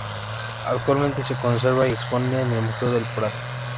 Actualmente se conserva y expone en el museo del Prado.